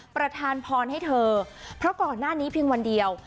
ประธานพรให้เธอเพราะก่อนหน้านี้เพียงวันเดียว